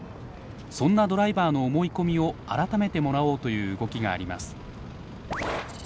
そんなドライバーの思い込みを改めてもらおうという動きがあります。